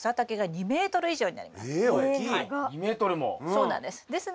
そうなんです。